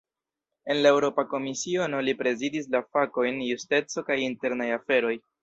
En la Eŭropa Komisiono, li prezidis la fakojn "justeco kaj internaj aferoj".